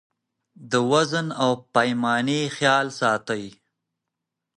د وزن او پیمانې خیال ساتئ.